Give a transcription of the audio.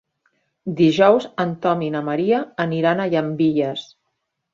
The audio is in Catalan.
Dijous en Tom i na Maria aniran a Llambilles.